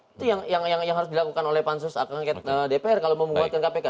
itu yang harus dilakukan oleh pansus dpr kalau membuatkan kpk